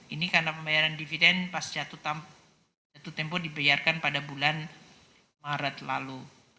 ini karena pembayaran dividen pas jatuh tempo dibayarkan pada bulan maret lalu